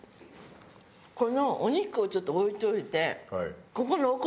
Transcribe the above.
このお肉をちょっと置いといて。